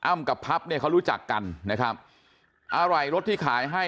อ้ำกับภัพธ์เนี่ยเขารู้จักกันนะครับอ้าวไหล่รถที่ขายให้